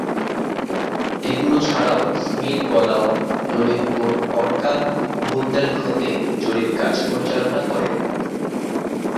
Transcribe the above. এগুলো ছাড়াও স্মিথ বদাউন ললিতপুর, অর্কা, বুন্দেলখন্দে জরিপ কাজ পরিচালনা করেন।